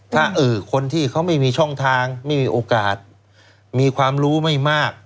ถ้าคนที่เขาไม่มีช่องทางไม่มีโอกาสมีความรู้ไม่มาก